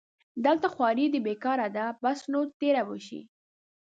دلته خواري دې بېکاري ده بس نو تېره به شي